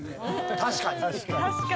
確かに。